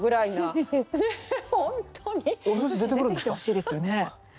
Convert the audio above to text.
お寿司出てきてほしいですよね。